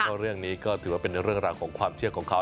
เพราะเรื่องนี้ก็ถือว่าเป็นเรื่องราวของความเชื่อของเขา